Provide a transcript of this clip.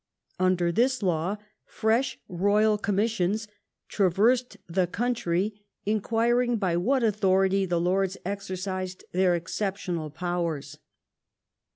Under this law fresh royal commissions traversed the country, inquiring by what authority the lords exercised their exceptional powers.